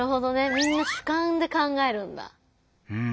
みんな主観で考えるんだ。